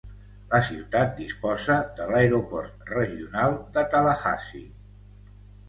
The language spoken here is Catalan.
La ciutat disposa de l'Aeroport Regional de Tallahassee.